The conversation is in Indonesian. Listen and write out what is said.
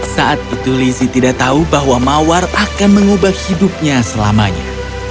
saat itu lizzie tidak tahu bahwa mawar akan mengubah hidupnya selamanya